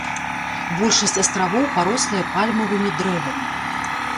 Большасць астравоў парослая пальмавымі дрэвамі.